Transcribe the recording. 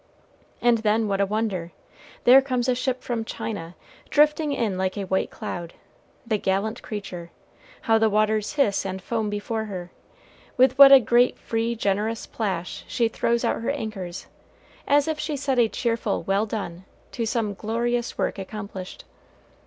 And then what a wonder! There comes a ship from China, drifting in like a white cloud, the gallant creature! how the waters hiss and foam before her! with what a great free, generous plash she throws out her anchors, as if she said a cheerful "Well done!" to some glorious work accomplished!